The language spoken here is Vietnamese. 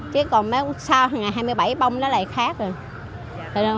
chứ còn sau ngày hai mươi bảy bông nó lại khác rồi